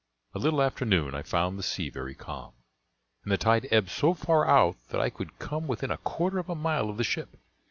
A little after noon I found the sea very calm, and the tide ebbed so far out that I could come within a quarter of a mile of the ship.